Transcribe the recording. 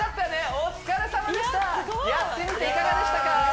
お疲れさまでしたやってみていかがでしたか？